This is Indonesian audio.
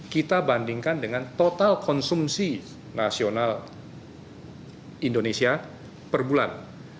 kita bandingkan dengan total konsumsi nasional indonesia per bulan